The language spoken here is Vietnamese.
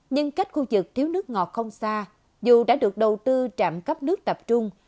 nhưng cách khu vực thiếu nước ngọt không xa dù đã được đầu tư trạm cấp nước tập trung